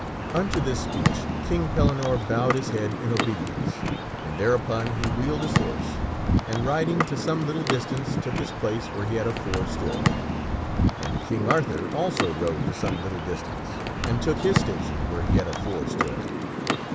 Unto this speech King Pellinore bowed his head in obedience, and there upon he wheeled his horse, and, riding to some little distance, took his place where he had afore stood. And King Arthur also rode to some lit tle distance, and took his station where he had afore stood.